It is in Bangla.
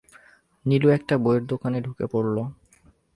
নীলু একটা বইয়ের দোকানে ঢুকে পড়ল।